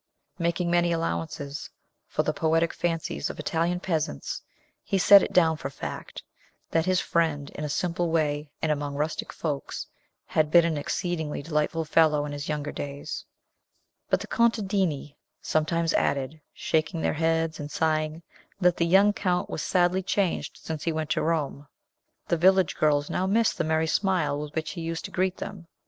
Making many allowances for the poetic fancies of Italian peasants, he set it down for fact that his friend, in a simple way and among rustic folks, had been an exceedingly delightful fellow in his younger days. But the contadini sometimes added, shaking their heads and sighing, that the young Count was sadly changed since he went to Rome. The village girls now missed the merry smile with which he used to greet them.